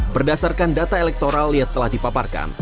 berdasarkan data elektoral yang telah dipaparkan